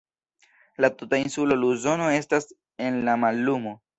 La tuta insulo Luzono estas en la mallumo.